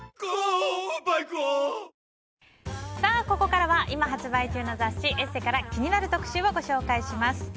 ここからは今発売中の雑誌「ＥＳＳＥ」から気になる特集をご紹介します。